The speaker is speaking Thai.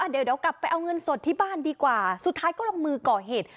เดี๋ยวกลับไปเอาเงินสดที่บ้านดีกว่าสุดท้ายก็ลงมือก่อเหตุ